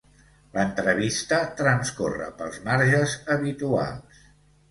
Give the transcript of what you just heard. L'entrevista transcorre pels marges habituals.